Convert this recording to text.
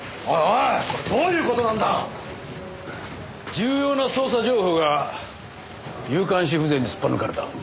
重要な捜査情報が夕刊紙風情にすっぱ抜かれた。